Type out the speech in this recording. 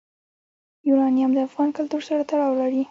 یورانیم د افغان کلتور سره تړاو لري.